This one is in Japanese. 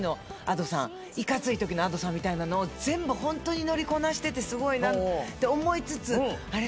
いかついときのＡｄｏさんみたいなのを全部ホントに乗りこなしててすごいなって思いつつあれっ？